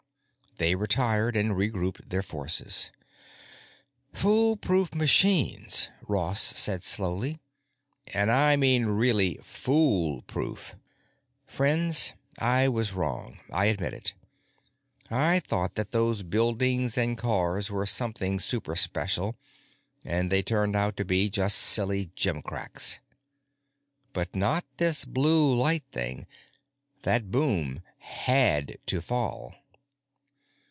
They retired and regrouped their forces. "Foolproof machines," Ross said slowly. "And I mean really fool proof. Friends, I was wrong, I admit it; I thought that those buildings and cars were something super special, and they turned out to be just silly gimcracks. But not this blue light thing. That boom had to fall."